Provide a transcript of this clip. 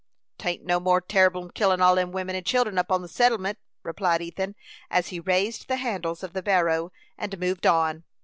"'Tain't no more terrible 'n killin' all them women 'n childern up to the settlement," replied Ethan, as he raised the handles of the barrow and moved on.